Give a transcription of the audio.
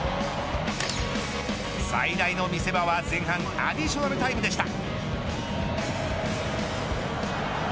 最大の見せ場は前半アディショナルタイムでした。